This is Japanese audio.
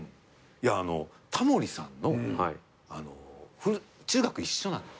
タモリさんの中学一緒なの。